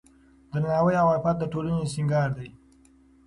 درناوی او عفت د ټولنې سینګار دی.